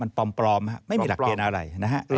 มันปลอมไม่มีหลักเกณฑ์อะไรนะฮะ